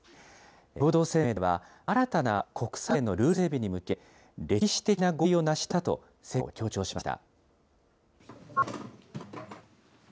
共同声明では、新たな国際課税のルール整備に向け、歴史的な合意を成し遂げたと、成果を強調しました。